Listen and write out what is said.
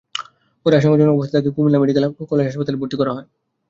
পরে আশঙ্কাজনক অবস্থায় তাঁকে কুমিল্লা মেডিকেল কলেজ হাসপাতালে ভর্তি করা হয়।